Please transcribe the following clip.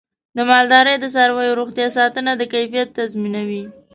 د مالدارۍ د څارویو روغتیا ساتنه د کیفیت تضمینوي.